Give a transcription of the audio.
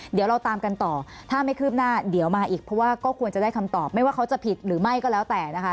เดี๋ยวเราตามกันต่อถ้าไม่คืบหน้าเดี๋ยวมาอีกเพราะว่าก็ควรจะได้คำตอบไม่ว่าเขาจะผิดหรือไม่ก็แล้วแต่นะคะ